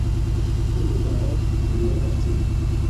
Tundo kpaarɔ biiwa ba ra tie.